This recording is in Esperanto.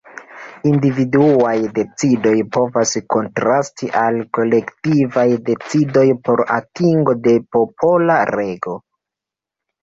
Individuaj decidoj povas kontrasti al kolektivaj decidoj por atingo de popola rego.